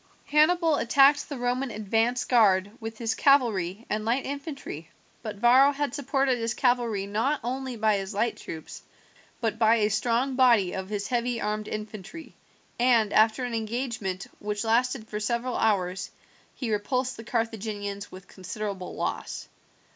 Hannibal attacked the Roman advanced guard with his cavalry and light infantry, but Varro had supported his cavalry not only by his light troops, but by a strong body of his heavy armed infantry, and after an engagement, which lasted for several hours, he repulsed the Carthaginians with considerable loss.